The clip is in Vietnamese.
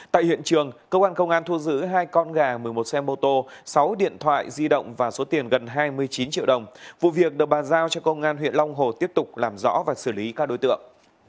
tại hiện trường cơ quan công an thu giữ hai con gà một mươi một xe mô tô sáu điện thoại di động và số tiền gần hai mươi chín triệu đồng vụ việc được bàn giao cho công an huyện long hồ tiếp tục làm rõ và xử lý các đối tượng